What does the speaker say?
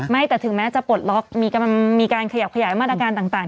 แต่ถึงแม้จะปลดล็อกมีการขยับขยายมาตรการต่าง